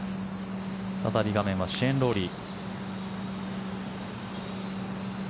再び画面はシェーン・ロウリー。